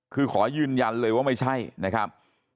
คือขอยืนยันเลยว่าไม่ใช่นะครับ